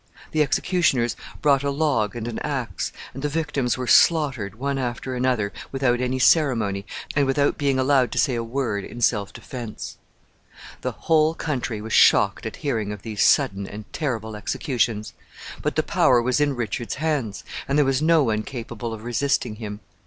The executioners brought a log and an axe, and the victims were slaughtered one after another, without any ceremony, and without being allowed to say a word in self defense. [Footnote M: Called sometimes Pontefract.] The whole country was shocked at hearing of these sudden and terrible executions; but the power was in Richard's hands, and there was no one capable of resisting him.